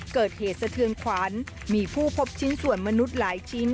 เกิดเหตุสะเทือนขวัญมีผู้พบชิ้นส่วนมนุษย์หลายชิ้น